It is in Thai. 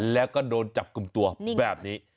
แล้วก็โดนจับกลุ่มตัวแบบนี้